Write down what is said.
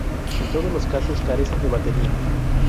En todos los casos, carecen de batería.